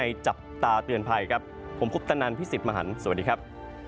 ที่มาที่กบผมครูตะนันพิสิทธิ์มาหันแแบบสวัสดีครับ